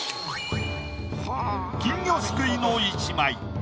金魚すくいの１枚。